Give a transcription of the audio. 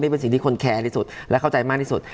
เป็นสิ่งที่คนแคร์ที่สุดและเข้าใจมากที่สุด